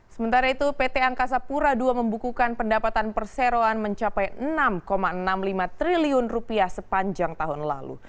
sementara itu pt angkasa pura ii membukukan pendapatan perseroan mencapai enam enam puluh lima triliun rupiah sepanjang tahun lalu